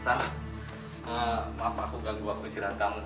salam maaf aku ganggu aku istirahat kamu